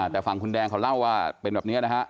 แต่ฝั่งคุณแดงเขาเล่าว่าเป็นแบบนี้นะฮะ